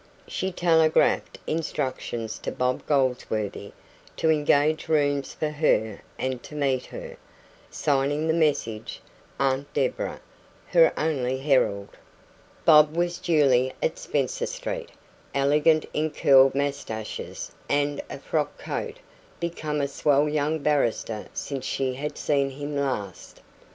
She telegraphed instructions to Bob Goldsworthy to engage rooms for her and to meet her, signing the message "Aunt Deborah" her only herald. Bob was duly at Spencer Street elegant in curled moustaches and a frock coat become a swell young barrister since she had seen him last.